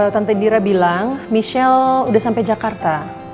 tante indira bilang michelle udah sampe jakarta